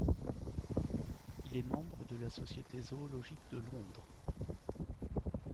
Il est membre de la Société zoologique de Londres.